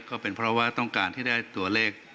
ก็เป็นเพราะว่าต้องการที่ได้ตัวเลข